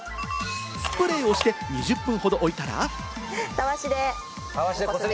スプレーをして２０分ほど置いたら。